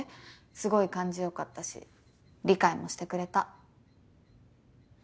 すごい感じ良かったし理解もしてくれた。